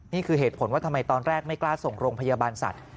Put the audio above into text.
นี่คือเหตุผลว่าทำไมตอนแรกไม่กล้าส่งโรงพยาบาลสัตว์